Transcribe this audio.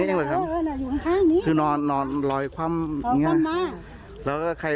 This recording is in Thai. ธรรมดาเขาเป็นคนยังไง